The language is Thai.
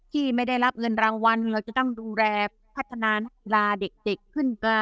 ที่ไม่ได้รับเงินรางวัลเราจะต้องดูแลพัฒนานักกีฬาเด็กขึ้นมา